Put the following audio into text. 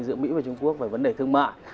giữa mỹ và trung quốc về vấn đề thương mại